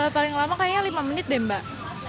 paling lama kayaknya lima menit deh mbak